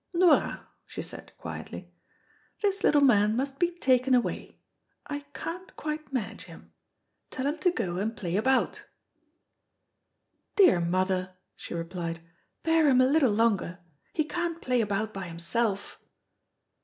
"Nora," she said, quietly, "this little man must be taken away. I can't quite manage him. Tell him to go and play about." "Dear mother," she replied, "bear him a little longer. He can't play about by himself."